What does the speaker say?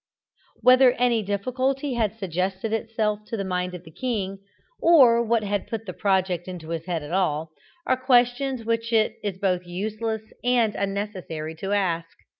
Whether any difficulty had suggested itself to the mind of the king, or what had put the project into his head at all, are questions which it is both useless and unnecessary to ask.